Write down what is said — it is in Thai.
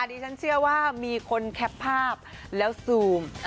ดิฉันเชื่อว่ามีคนแคปภาพแล้วซูม